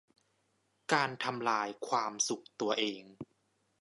การทำลายความสุขตัวเอง